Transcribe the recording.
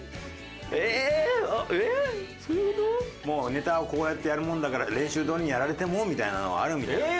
もうネタはこうやってやるもんだから練習どおりにやられてもみたいなのはあるみたい。